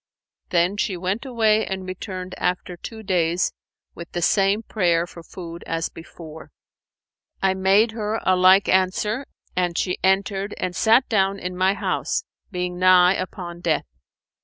Then she went away and returned after two days with the same prayer for food as before. I made her a like answer, and she entered and sat down in my house being nigh upon death.